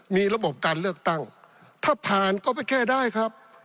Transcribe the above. มีระบบการเลือกตั้งถ้าผ่านก็ไปแก้ได้ครับ